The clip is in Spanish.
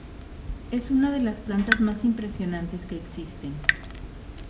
Es una de las plantas más impresionantes que existen.